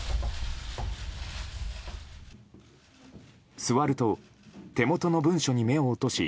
座ると手元の文書に目を落とし